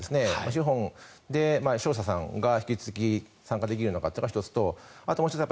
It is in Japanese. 資本で商社さんが引き続き参加できるのかが１つですね。